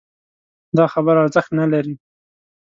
دا خبره ارزښت نه لري